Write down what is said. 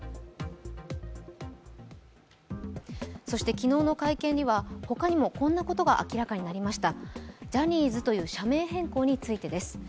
昨日の会見では、他にもこんなことが明らかになりました。